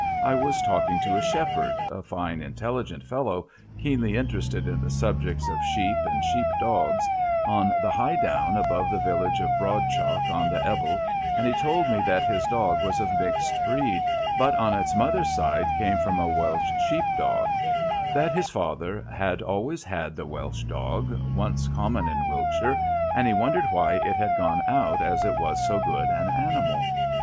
I was talking to a shepherd, a fine intelligent fellow, keenly interested in the subjects of sheep and sheep dogs, on the high down above the village of Broad Chalk on the Ebble, and he told me that his dog was of mixed breed, but on its mother's side came from a Welsh sheep dog, that his father had always had the Welsh dog, once common in Wiltshire, and he wondered why it had gone out as it was so good an animal.